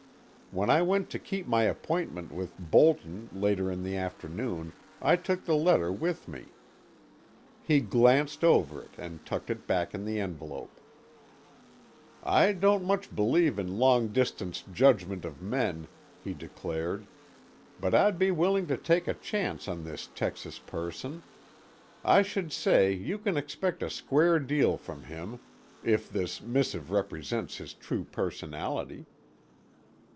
When I went to keep my appointment with Bolton later in the forenoon I took the letter with me. He glanced over it, and tucked it back in the envelope. "I don't much believe in long distance judgment of men," he declared, "but I'd be willing to take a chance on this Texas person. I should say you can expect a square deal from him—if this missive represents his true personality."